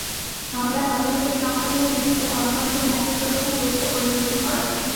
হামলায় হতাহতের সংখ্যা নিয়ে বিভিন্ন গণমাধ্যমে একেক রকমের তথ্য পরিবেশন করা হচ্ছে।